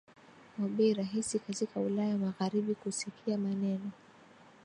wa bei rahisi katika Ulaya Magharibi Kusikia maneno